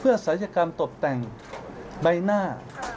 เพื่อสาญกรรมตกแต่งใบหน้า